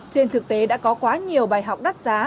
trên thực tế đã có quá nhiều bài học đắt giá